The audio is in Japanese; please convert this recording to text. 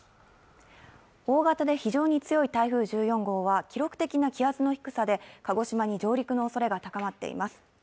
大型で非常に強い台風１４号は記録的な気圧の低さで鹿児島に上陸の可能性が高まっています。